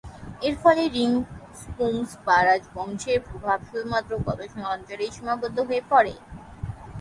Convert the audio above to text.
এরফলে রিং-স্পুংস-পা রাজবংশের প্রভাব শুধুমাত্র গ্ত্সাং অঞ্চলেই সীমাবদ্ধ হয়ে পড়ে।